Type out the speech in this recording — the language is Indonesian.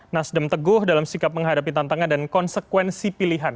nasdem teguh dalam sikap menghadapi tantangan dan konsekuensi pilihan